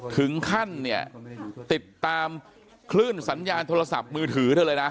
ถึงขั้นเนี่ยติดตามคลื่นสัญญาณโทรศัพท์มือถือเธอเลยนะ